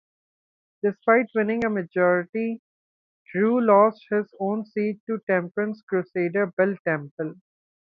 Despite winning a majority, Drew lost his own seat to temperance crusader Bill Temple.